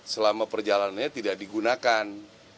selama perjalanannya tidak digunakan